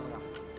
gak ada apa apa